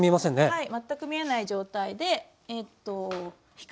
はい。